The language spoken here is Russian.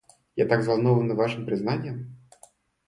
Я так взволнована Вашим признанием.